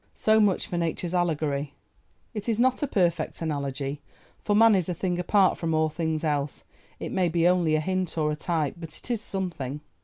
So much for nature's allegory. It is not a perfect analogy, for Man is a thing apart from all things else; it may be only a hint or a type, but it is something.